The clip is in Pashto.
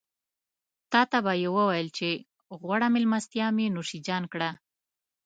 تاته به مې وويل چې غوړه مېلمستيا مې نوشيجان کړه.